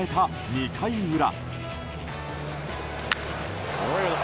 ２回裏。